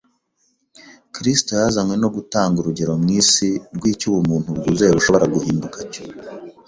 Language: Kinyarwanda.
Kristo yazanywe no gutanga urugero mu isi rw’icyo ubumuntu bwuzuye bushobora guhinduka cyo